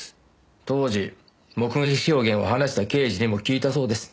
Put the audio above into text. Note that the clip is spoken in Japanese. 当時目撃証言を話した刑事にも聞いたそうです。